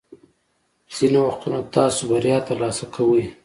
ځینې وختونه تاسو بریا ترلاسه کوئ.